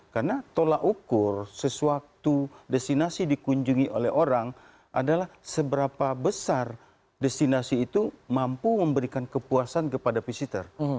karena tolak ukur sesuatu destinasi dikunjungi oleh orang adalah seberapa besar destinasi itu mampu memberikan kepuasan kepada visitor